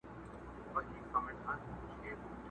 بیا هیلمند په غېږ کي واخلي د لنډیو آوازونه!